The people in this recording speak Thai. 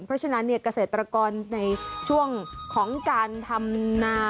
เพราะฉะนั้นเกษตรกรในช่วงของการทำนา